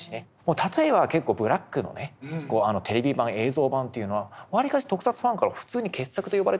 例えば結構「ＢＬＡＣＫ」のねテレビ版映像版というのはわりかし特撮ファンから普通に傑作と呼ばれてるんですよ。